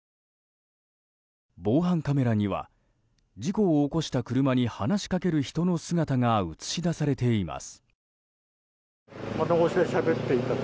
防犯カメラには事故を起こした車に話しかける人の姿が映し出されています。